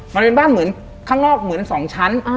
มันเป็นบ้านเหมือนข้างนอกเหมือน๒ชั้น